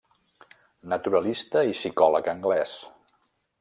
Naturalista i psicòleg anglès.